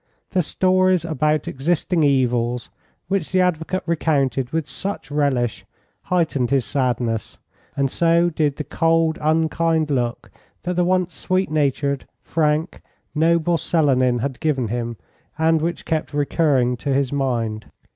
The stories about existing evils, which the advocate recounted with such relish, heightened his sadness, and so did the cold, unkind look that the once sweet natured, frank, noble Selenin had given him, and which kept recurring to his mind.